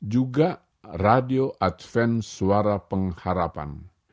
juga radio adven suara pengharapan